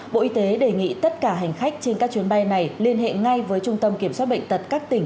bộ y tế đề nghị tất cả hành khách trên các chuyến bay này liên hệ ngay với trung tâm kiểm soát bệnh tật các tỉnh